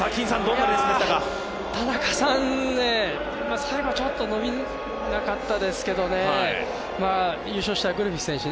田中さん、最後ちょっと伸びなかったですけど、優勝したグリフィス選手